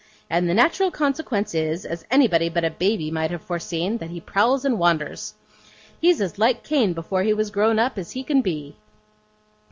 And the natural consequence is, as anybody but a baby might have foreseen, that he prowls and wanders. He's as like Cain before he was grown up, as he can be.